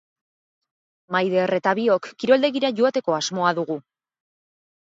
Maider eta biok kiroldegira joateko asmoa dugu.